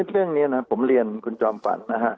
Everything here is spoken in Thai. เรื่องนี้ผมเรียนคุณจอมฟัน